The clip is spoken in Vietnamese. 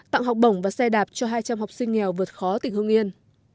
tặng học bổng và xe đạp cho hai trăm linh học sinh nghèo vượt khó tỉnh hương yên